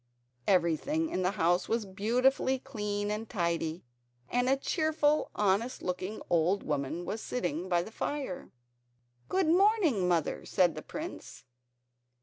Everything in the house was beautifully clean and tidy, and a cheerful honest looking old woman was sitting by the fire. "Good morning, mother," said the prince.